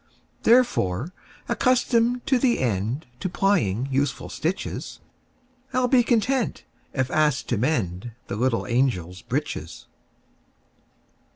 Therefore, accustomed to the endTo plying useful stitches,I 'll be content if asked to mendThe little angels' breeches.